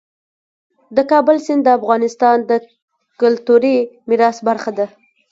د کابل سیند د افغانستان د کلتوري میراث برخه ده.